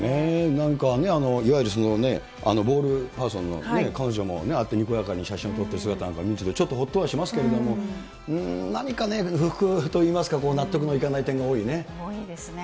なんかね、いわゆるそのね、ボールパーソンの彼女もね、ああやってにこやかに写真撮ってる姿なんか見るとちょっとほっとはしますけど、うーん、何か不服といいますか、多いですね。